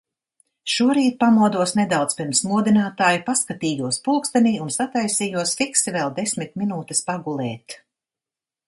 Šorīt pamodos nedaudz pirms modinātāja, paskatījos pulkstenī un sataisījos fiksi vēl desmit minūtes pagulēt.